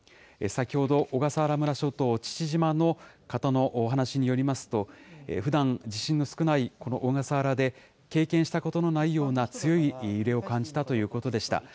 先ほど小笠原村諸島父島の方のお話によりますと、ふだん地震の少ないこの小笠原村で、経験したことのないような強い揺れを感じたということでした。